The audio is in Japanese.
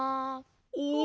お。